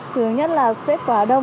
thứ nhất là xếp quá đông